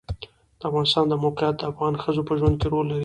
د افغانستان د موقعیت د افغان ښځو په ژوند کې رول لري.